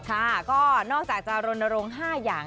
ค่ะก็นอกจากจะรณรงค์๕อย่าง